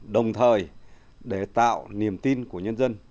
đồng thời để tạo niềm tin của nhân dân